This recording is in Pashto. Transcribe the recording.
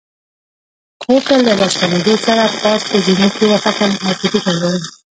کور ته له راستنېدو سره پاس په زینو کې وختلم او کوټې ته ولاړم.